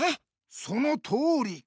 そのとおり。